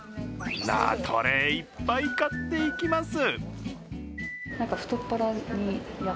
トレーいっぱい買っていきます。